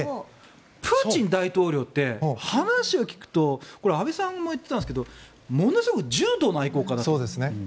プーチン大統領って、話を聞くと安倍さんも言っていたんですけどものすごく柔道の愛好家だと。